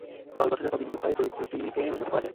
দল গঠনের পর বিভিন্ন উপায়ে চরিত্রকে উন্নত করা যায়।